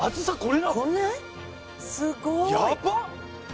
やばっ！